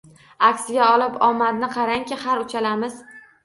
Aksiga olib, omadni qarangki, har uchalamiz